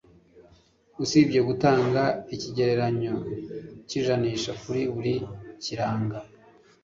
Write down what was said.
Usibye gutanga igereranyo cyijanisha kuri buri kiranga